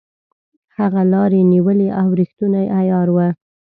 هغه لاري نیولې او ریښتونی عیار وو.